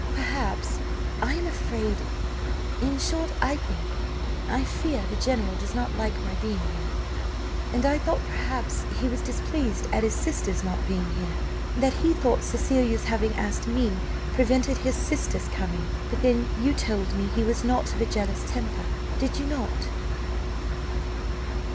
Perhaps I am afraid in short I think, I fear, the general does not like my being here; and I thought, perhaps, he was displeased at his sister's not being here, that he thought Cecilia's having asked me prevented his sister's coming; but then you told me he was not of a jealous temper, did not you?"